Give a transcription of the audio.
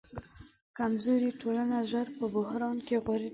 کمزورې ټولنه ژر په بحران کې غورځي.